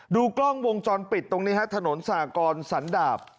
ดูกล้องวงจรปิดตรงนี้ฮะถนนสากรสันดาบ